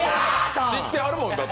知ってはるもん、だって。